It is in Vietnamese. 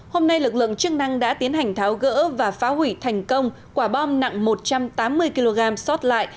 hôm nay lực lượng chức năng đã tiến hành tháo gỡ và phá hủy thành công quả bom nặng một trăm tám mươi kg xót lại